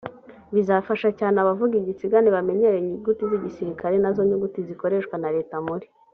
bizafasha cyane abavuga igitsigane bamenyereye inyuguti z igisiririke ari na zo nyuguti zikoreshwa na leta muri